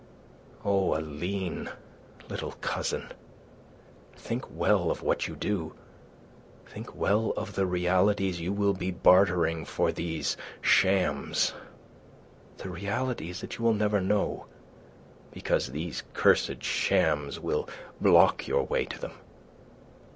Oh, Aline, little cousin, think well of what you do; think well of the realities you will be bartering for these shams the realities that you will never know, because these cursed shams will block your way to them.